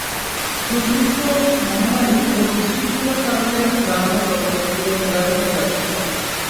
দুর্ভিক্ষ, মহামারী ও বিশৃংখলার কারণে গ্রাম ও জনপদগুলো বিরান হয়ে যাচ্ছিল।